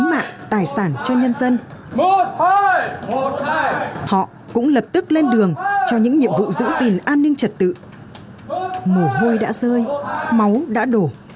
mổ hôi đã rơi máu đã đổ